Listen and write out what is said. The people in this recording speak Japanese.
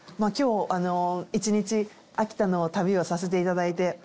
今日一日秋田の旅をさせていただいて。